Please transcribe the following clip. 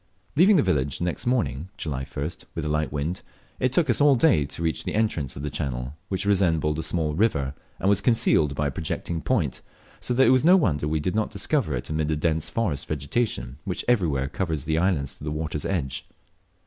Leaving the village the next morning (July 1st) with a light wind, it took us all day to reach the entrance to the channel, which resembled a small river, and was concealed by a projecting point, so that it was no wonder we did not discover it amid the dense forest vegetation which everywhere covers these islands to the water's edge.